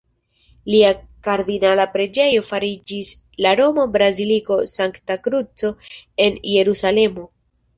Lia kardinala preĝejo fariĝis la roma Baziliko Sankta Kruco en Jerusalemo.